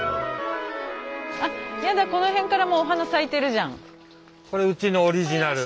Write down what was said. あっやだこの辺からもうお花咲いてるじゃん。